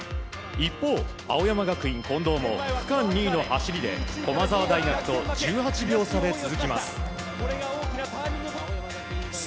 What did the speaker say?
一方、青山学院、近藤も区間２位の走りで駒澤大学と１８秒差で続きます。